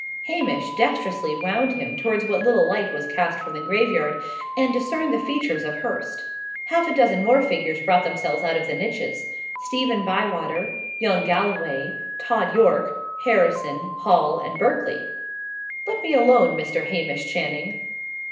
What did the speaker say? Hamish dextrously wound him towards what little light was cast from the graveyard, and discerned the features of Hurst. Half a dozen more figures brought themselves out of the niches Stephen Bywater, young Galloway, Tod Yorke, Harrison, Hall, and Berkeley. "Let me alone, Mr. Hamish Channing.